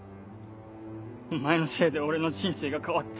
お前のせいで俺の人生が変わった。